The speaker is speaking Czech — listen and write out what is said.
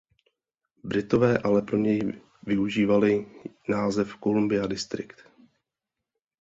Britové ale pro něj využívali název Columbia District.